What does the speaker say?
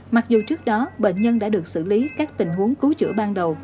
mặc dù trước đó bệnh nhân đã được xử lý các tình huống cứu chữa ban đầu